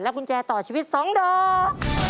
และกุญแจต่อชีวิต๒โดร